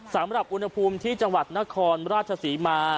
สำหรับอุณหภูมิที่จังหวัดนครราชศรีมา